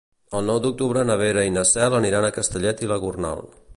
El nou d'octubre na Vera i na Cel aniran a Castellet i la Gornal.